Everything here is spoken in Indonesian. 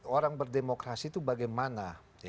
orang berdemokrasi itu bagaimana